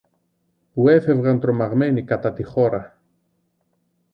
που έφευγαν τρομαγμένοι κατά τη χώρα.